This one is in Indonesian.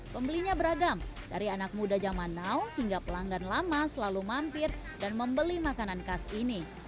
pembelinya beragam dari anak muda zaman now hingga pelanggan lama selalu mampir dan membeli makanan khas ini